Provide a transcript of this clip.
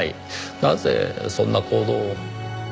なぜそんな行動を？